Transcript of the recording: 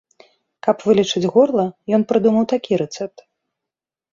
Каб вылечыць горла, ён прыдумаў такі рэцэпт.